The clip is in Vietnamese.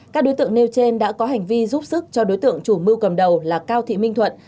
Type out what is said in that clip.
các đối tượng nêu trên đã có hành vi giúp sức cho đối tượng chủ mưu cầm đầu là cao thị minh thuận